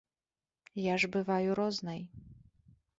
Я ж бываю рознай.